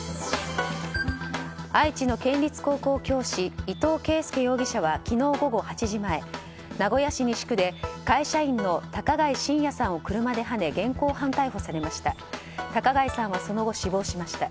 愛知の県立高校教師伊藤啓介容疑者は昨日午後８時前、名古屋市西区で会社員の高貝真也さんを車ではね現行犯逮捕されました。